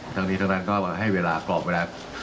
ทางนี้ทางด้านก็ให้เวลากรอบเวลา